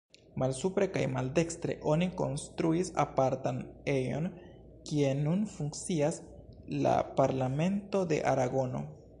Malsupre kaj, maldekstre, oni konstruis apartan ejon kie nun funkcias la parlamento de Aragono.